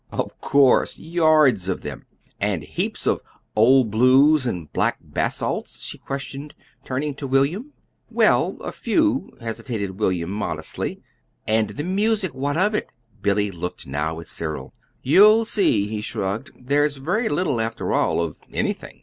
"Of course yards of them!" "And heaps of 'Old Blues' and 'black basalts'?" she questioned, turning to William. "Well, a few," hesitated William, modestly. "And the music; what of that?" Billy looked now at Cyril. "You'll see," he shrugged. "There's very little, after all of anything."